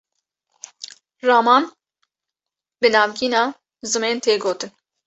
Raman, bi navgîna zimên tê vegotin